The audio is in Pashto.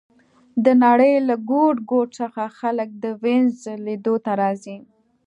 د نړۍ له ګوټ ګوټ څخه خلک د وینز لیدو ته راځي